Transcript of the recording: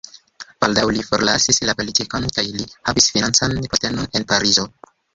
Baldaŭ li forlasis la politikon kaj li havis financan postenon en Parizo.